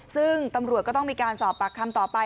ซึ่งตำรวจก็ต้องมีการสอบปากคำต่อไป